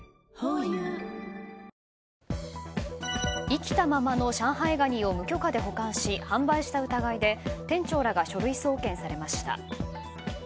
生きたままの上海ガニを無許可で保管し販売した疑いで店長らが書類送検されました。